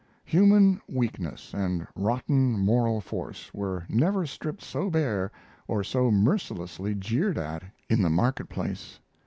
Human weakness and rotten moral force were never stripped so bare or so mercilessly jeered at in the marketplace.